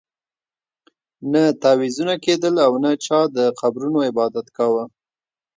نه تعویذونه کېدل او نه چا د قبرونو عبادت کاوه.